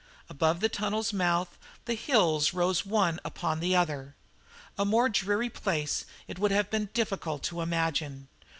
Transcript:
Above the tunnel's mouth the hills rose one upon the other. A more dreary place it would have been difficult to imagine.